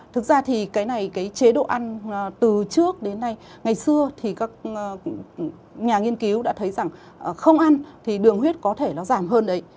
thực ra thì cái này cái chế độ ăn từ trước đến nay ngày xưa thì các nhà nghiên cứu đã thấy rằng không ăn thì đường huyết có thể nó giảm hơn đấy